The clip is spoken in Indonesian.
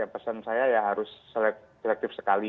pesan saya ya harus selektif sekali